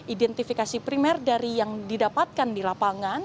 identifikasi primer dari yang didapatkan di lapangan